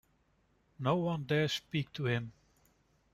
No one dares speak to him.